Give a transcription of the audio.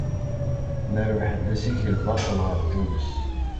Nerbeḥ-d assikel baṭel ɣer Tunes.